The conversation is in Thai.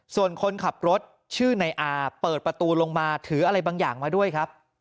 ส่วนคนขับรถชื่อนายอาเปิดประตูลงมาถืออะไรบางอย่างมาด้วยครับ